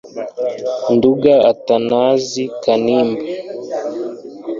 Nduga Atanazi Kanimba